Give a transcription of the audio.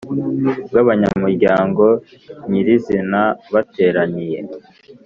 bw abanyamuryango nyir izina bateraniye